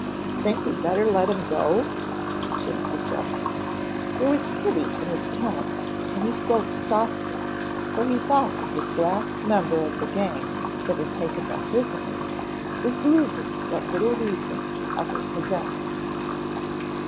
"Think we'd better let him go?" Jim suggested. There was pity in his tone and he spoke softly for he thought that this last member of the gang that had taken them prisoners was losing what little reason he ever possessed.